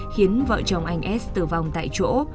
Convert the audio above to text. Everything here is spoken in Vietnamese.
khiến vợ chồng anh s tử vong tại chỗ